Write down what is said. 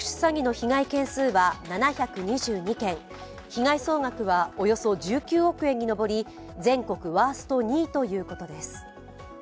被害総額はおよそ１９億円に上り、全国ワースト２位ということです。